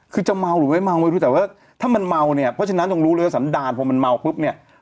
คือจะเมาหรือไม่เมาไม่รู้แต่ว่าถ้ามันเมาเนี่ยเพราะฉะนั้นต้องรู้เลยว่าสันดารพอมันเมาปุ๊บเนี่ย